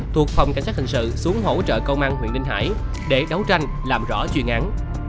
thuộc phòng cảnh sát hình sự xuống hỗ trợ công an huyện ninh hải để đấu tranh làm rõ chuyên án